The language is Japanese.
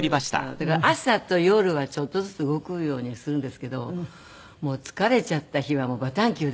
だから朝と夜はちょっとずつ動くようにはするんですけど疲れちゃった日はバタンキューですから。